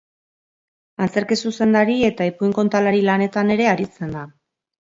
Antzerki zuzendari eta ipuin kontalari lanetan ere aritzen da.